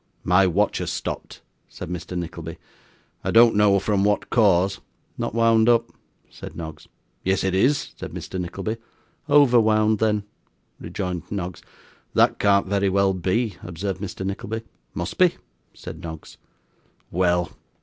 'My watch has stopped,' said Mr. Nickleby; 'I don't know from what cause.' 'Not wound up,' said Noggs. 'Yes it is,' said Mr. Nickleby. 'Over wound then,' rejoined Noggs. 'That can't very well be,' observed Mr. Nickleby. 'Must be,' said Noggs. 'Well!